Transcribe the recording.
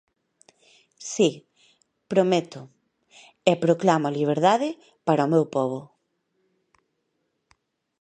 Si, prometo, e proclamo a liberdade para o meu pobo.